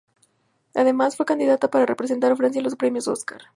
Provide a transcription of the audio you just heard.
Además, fue candidata para representar a Francia en los Premios Oscar.